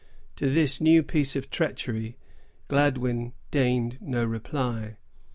To this new piece of treachery Gladwyn deigned no reply.